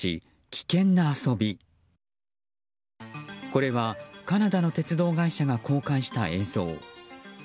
これはカナダの鉄道会社が公開した映像。